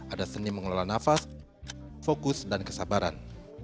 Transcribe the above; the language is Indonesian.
ada seni mengelola nafas fokus dan kesabaran